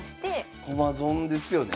駒損ですよね。